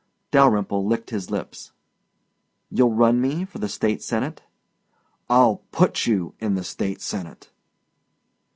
Dalyrimple licked his lips. "You'll run me for the State Senate?" "I'll PUT you in the State Senate."